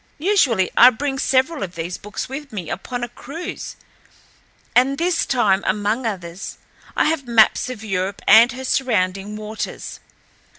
Usually I bring several of these books with me upon a cruise, and this time, among others, I have maps of Europe and her surrounding waters.